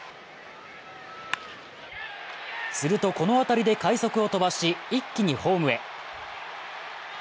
すると、この当たりで快足を飛ばし一気にホームへ。